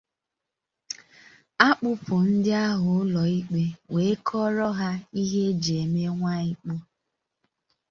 a kpụpụ ndị ahụ ụlọ ikpe wee kọọrọ ha ihe e ji eme nwaịkpọ.